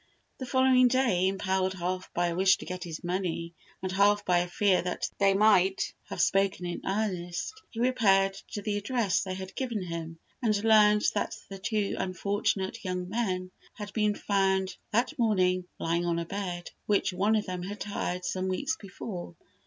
The following day, impelled half by a wish to get his money, and half by a fear that they might have spoken in earnest, he repaired to the address they had given him, and learned that the two unfortunate young men had been found that morning lying on a bed which one of them had hired some weeks before.